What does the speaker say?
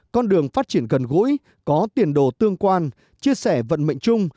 con đường phát triển gần gũi có tiền đồ tương quan chia sẻ vận mệnh chung